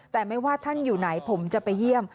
แต่ไม่ว่าท่านอยู่ไหนผมจะไปเยี่ยม